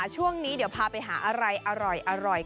ช่วงนี้เดี๋ยวพาไปหาอะไรอร่อย